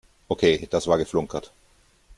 Okay, das war geflunkert.